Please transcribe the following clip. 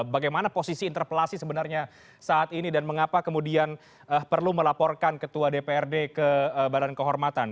bagaimana posisi interpelasi sebenarnya saat ini dan mengapa kemudian perlu melaporkan ketua dprd ke badan kehormatan